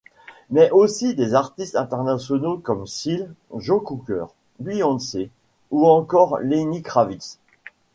Mais aussi des artistes internationaux comme: Seal, Joe Cocker, Beyoncé ou encore Lenny Kravitz.